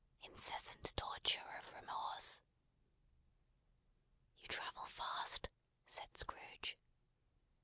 Incessant torture of remorse." "You travel fast?" said Scrooge.